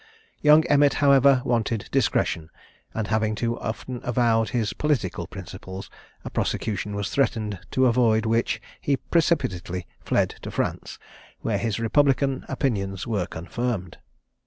Young Emmet, however, wanted discretion; and having too often avowed his political principles, a prosecution was threatened, to avoid which he precipitately fled to France, where his republican opinions were confirmed.